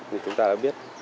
thì chúng ta đã biết